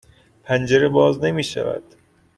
پنجره باز نمی شود.